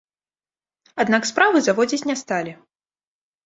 Аднак справы заводзіць не сталі.